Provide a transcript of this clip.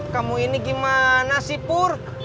kamu ini gimana si bur